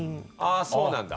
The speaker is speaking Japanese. あそうなんだ。